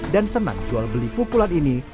dan senang jual beli pukulan ini